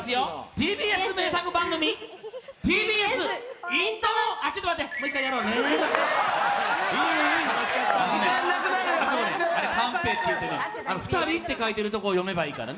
ＴＢＳ名作番組ＴＢＳイントロあれカンペっていって、「２人」って書いてあるところを読めばいいから。